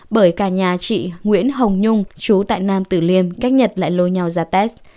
bởi cả nhà chị nguyễn hồng nhung chú tại nam tử liêm cách nhật lại lôi nhau ra test